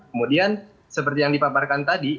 kemudian seperti yang dipaparkan tadi